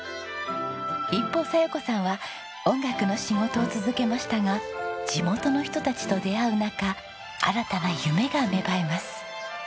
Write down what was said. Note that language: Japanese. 一方佐代子さんは音楽の仕事を続けましたが地元の人たちと出会う中新たな夢が芽生えます。